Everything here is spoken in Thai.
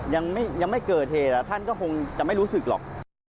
ยังไม่เกิดเพลยาท่านจะไม่รู้สึกหรอก